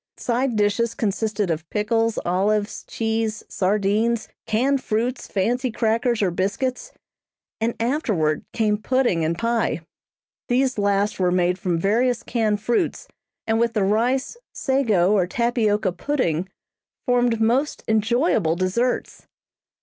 Side dishes consisted of pickles, olives, cheese, sardines, canned fruits, fancy crackers or biscuits, and afterward came pudding and pie. These last were made from various canned fruits, and with the rice, sago or tapioca pudding, formed most enjoyable desserts.